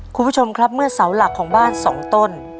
คุณผู้ชมครับเมื่อเสาหลักของบ้านสองต้น